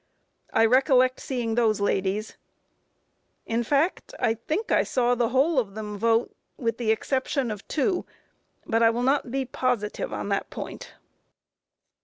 I recollect seeing those ladies; in fact, I think I saw the whole of them vote with the exception of two, but I will not be positive on that point.